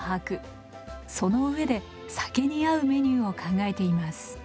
そのうえで酒に合うメニューを考えています。